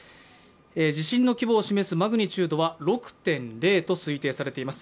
地震の規模を示すマグニチュードは６．０と推定されています。